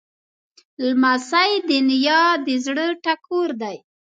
لمسی د نیا د زړه ټکور دی.